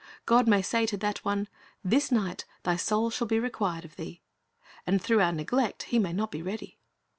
God may say to that one, "This night thy soul shall be required of thee, "^ and through our neglect he may not be ready.